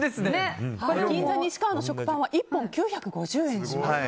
銀座に志かわの食パンは１斤９５０円します。